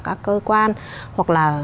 các cơ quan hoặc là